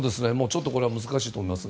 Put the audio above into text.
これは難しいと思います。